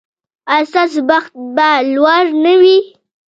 ایا ستاسو بخت به لوړ نه وي؟